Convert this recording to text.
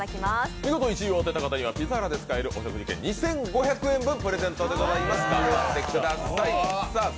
見事１位を当てた方にはピザーラで使えるお食事券２５００円分をプレゼントでございます。